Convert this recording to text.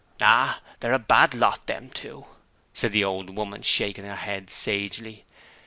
'Ah! They're a bad lot, them two,' said the old woman, shaking her head sagely.